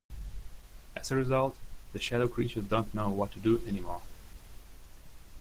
As a result, the shadow creatures don't know what to do anymore.